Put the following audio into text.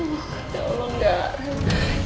ya allah gar